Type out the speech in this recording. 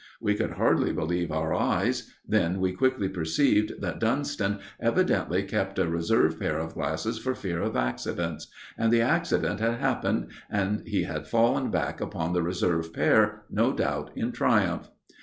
We could hardly believe our eyes; then we quickly perceived that Dunston evidently kept a reserve pair of glasses for fear of accidents. And the accident had happened, and he had fallen back upon the reserve pair, no doubt in triumph.